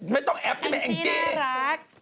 ไม่ต้องแอบนะแองจี้แองจี้น่ารัก